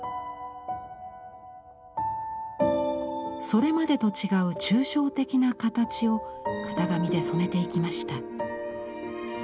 それまでと違う抽象的な形を型紙で染めていきました。